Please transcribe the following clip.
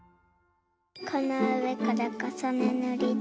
このうえからかさねぬりで。